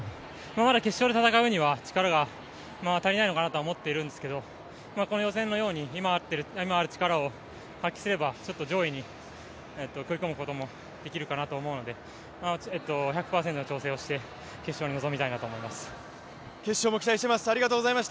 まだ決勝で戦うには力が足りないのかなとは思っているんですけどこの予選のように、今ある力を発揮すれば上位に食い込むこともできるかなと思うので、１００％調整をして決勝に臨みたいと思います。